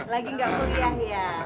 lagi ga kuliah ya